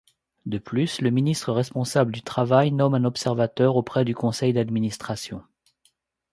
De plus, le ministre responsable du Travail nomme un observateur auprès du conseil d'administration.